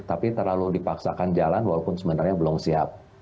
tapi terlalu dipaksakan jalan walaupun sebenarnya belum siap